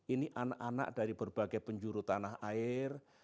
ini anak anak dari berbagai penjuru tanah air